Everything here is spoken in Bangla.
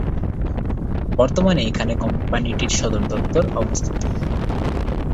বর্তমানে এখানে কোম্পানিটির সদর দপ্তর অবস্থিত।